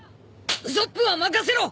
ウソップは任せろ！